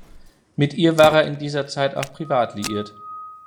Mit ihr war er in dieser Zeit auch privat liiert.